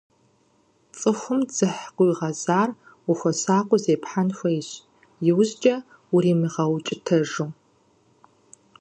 Цӏыхум дзыхь къыуигъэзар, ухуэсакъыу зепхьэн хуейщ, иужькӏэ ирумыгъэукӏытэжу.